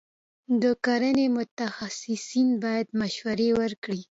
د کرنې متخصصین باید مشورې ورکړي.